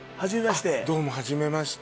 どうもはじめまして。